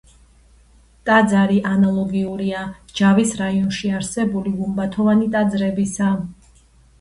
ტაძარი ანალოგიურია ჯავის რაიონში არსებული გუმბათოვანი ტაძრებისა.